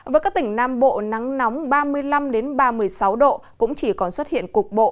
với các tỉnh nam bộ nắng nóng ba mươi năm ba mươi sáu độ cũng chỉ còn xuất hiện cục bộ